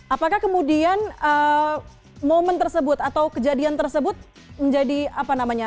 apakah kemudian momen tersebut atau kejadian tersebut menjadi apa namanya